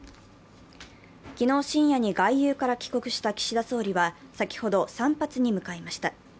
昨日深夜に外遊から帰国した岸田総理は、先ほど散髪に向かいました。